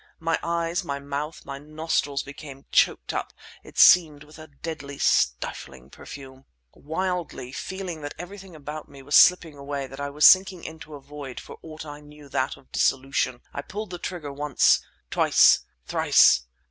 My eyes, my mouth, my nostrils became choked up, it seemed, with a deadly stifling perfume. Wildly, feeling that everything about me was slipping away, that I was sinking into a void, for ought I knew that of dissolution, I pulled the trigger once, twice, thrice...